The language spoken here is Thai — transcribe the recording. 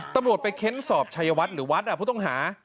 ตำรวจไปเค้นสอบชัยวัดหรือวัดผู้ต้องหา